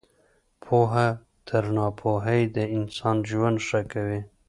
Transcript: پوهه تر ناپوهۍ د انسان ژوند ښه کوي.